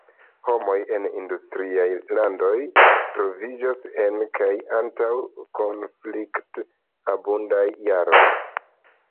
Homoj en industriaj landoj troviĝas en kaj antaŭ konflikt-abundaj jaroj.